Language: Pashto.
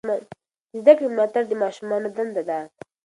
د زده کړې ملاتړ د ماشومانو دنده ده.